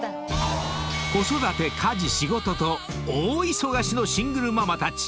［子育て家事仕事と大忙しのシングルママたち］